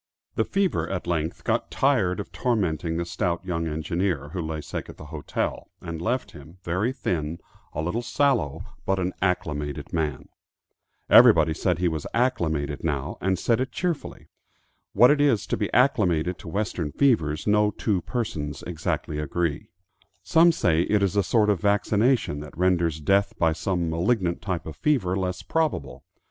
The fever at length got tired of tormenting the stout young engineer, who lay sick at the hotel, and left him, very thin, a little sallow but an "acclimated" man. Everybody said he was "acclimated" now, and said it cheerfully. What it is to be acclimated to western fevers no two persons exactly agree. Some say it is a sort of vaccination that renders death by some malignant type of fever less probable.